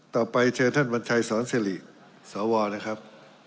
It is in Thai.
ต่อไปเชิญท่านวัญชัยสอนสิริสวนะครับ